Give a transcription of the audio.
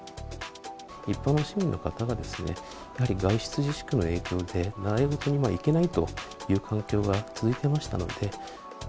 一般の市民の方が、やはり外出自粛の影響で、習い事には行けないという環境が続いてましたので。